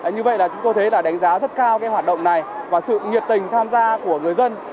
như vậy là chúng tôi thấy là đánh giá rất cao hoạt động này và sự nhiệt tình tham gia của người dân